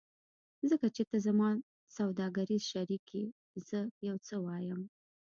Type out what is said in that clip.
ځکه چې ته زما سوداګریز شریک یې زه یو څه وایم